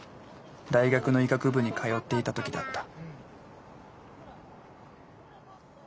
大学の医学部に通っていた時だった。